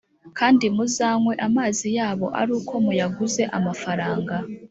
kandi muzanywe amazi yabo ari uko muyaguze amafaranga.